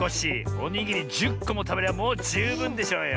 おにぎり１０こもたべりゃもうじゅうぶんでしょうよ。